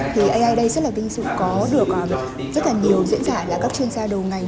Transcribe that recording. thì ai đây rất là vinh dự có được rất là nhiều diễn giả là các chuyên gia đầu ngành